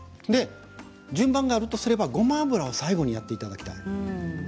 順番があるとすれば、ごま油を最後に入れていただきたい。